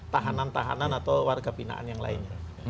tahanan tahanan atau warga binaan yang lainnya